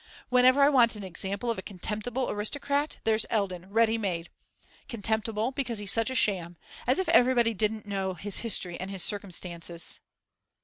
Whenever I want an example of a contemptible aristocrat, there's Eldon ready made. Contemptible, because he's such a sham; as if everybody didn't know his history and his circumstances!